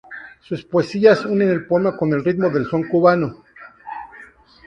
Sus poesías unen el poema con el ritmo del son cubano